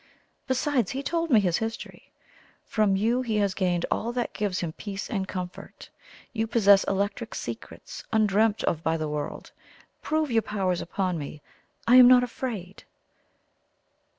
Besides, he told me his history. From you he has gained all that gives him peace and comfort. You possess electric secrets undreamt of by the world. Prove your powers upon me; I am not afraid."